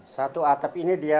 satu atap ini dia